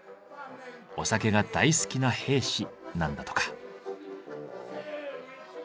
お酒が大好きな兵士なんだとか。